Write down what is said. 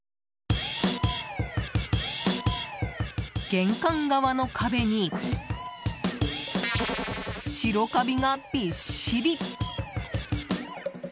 玄関側の壁に白カビがびっしり。